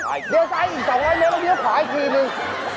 เหลือซ้ายอีก๒๐๐เมตรแล้วเหลือขวาอีกทีหนึ่ง